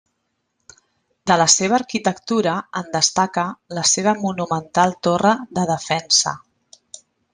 De la seva arquitectura en destaca la seva monumental torre de defensa.